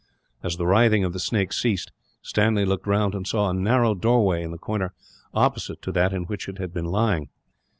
As the writhing of the snake ceased, Stanley looked round and saw a narrow doorway, in the corner opposite that in which it had been lying.